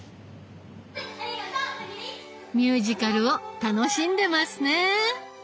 ミュージカルを楽しんでますね。